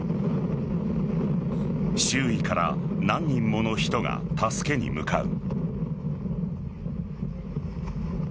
周囲から何人もの人が助けに向かう。